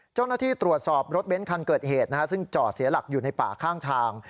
เจ้าหน้าที่ตรวจสอบรถเบ้นคันเกิดเหตุซึ่งจอดเสียหลักอยู่ในป่าข้างทาง